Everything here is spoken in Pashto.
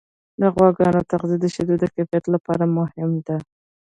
د غواګانو تغذیه د شیدو د کیفیت لپاره مهمه ده.